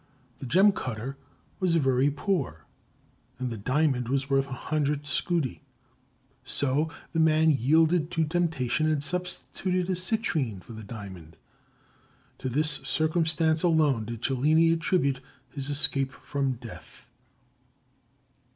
The gem cutter was very poor and the diamond was worth a hundred scudi, so the man yielded to temptation and substituted a citrine for the diamond. To this circumstance alone did Cellini attribute his escape from death.